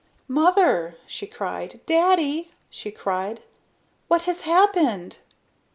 "MOTHER!" she cried. "Daddy!" she cried. "What has happened?"